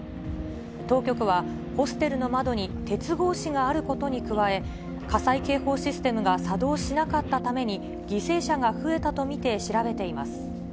当局は、ホステルの窓に鉄格子があることに加え、火災警報システムが作動しなかったために、犠牲者が増えたと見て調べています。